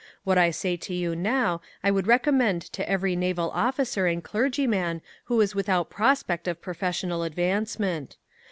What I say to you now I would recommend to every naval officer and clergyman who is without prospect of professional advancement.